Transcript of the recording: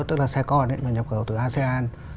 tức là xe con mà nhập khẩu từ asean